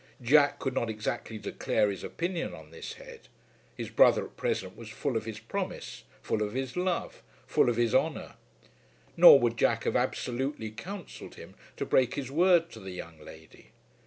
Jack could not exactly declare his opinion on this head. His brother at present was full of his promise, full of his love, full of his honour. Nor would Jack have absolutely counselled him to break his word to the young lady.